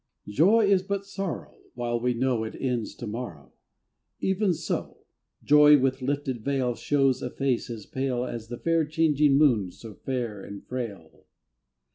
J OY is but sorrow, While we know It ends to morrow: — Even so ! Joy with lifted veil Shows a face as pale As the fair changing moon so fair and frail.